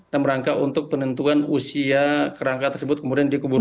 dan berangka untuk penentuan usia kerangka tersebut kemudian dikuburkan